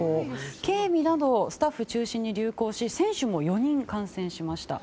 警備などスタッフを中心に流行し選手も４人感染しました。